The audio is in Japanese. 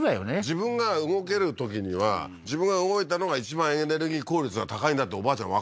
自分が動けるときには自分が動いたのが一番エネルギー効率が高いんだっておばあちゃん